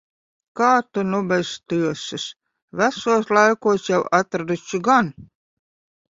Kā ta nu bez tiesas. Vecos laikos jau atraduši gan.